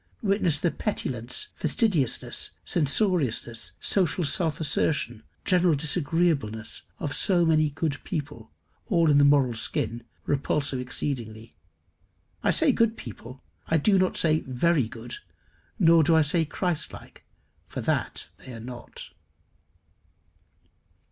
Witness the petulance, fastidiousness, censoriousness, social self assertion, general disagreeableness of so many good people all in the moral skin repulsive exceedingly. I say good people; I do not say very good, nor do I say Christ like, for that they are not.